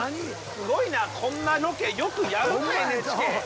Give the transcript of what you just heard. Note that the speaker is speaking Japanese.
すごいなこんなロケよくやるなＮＨＫ。